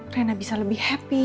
rena bisa lebih happy